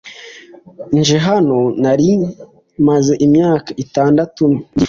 nje hano nari maze imyaka itandatu mbyifuza